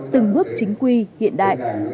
từng bước chính quy hiện đại